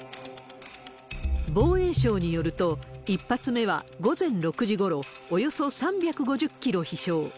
防衛省によると、１発目は午前６時ごろ、およそ３５０キロ飛しょう。